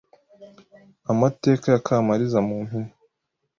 Amateka ya Kamaliza mumpine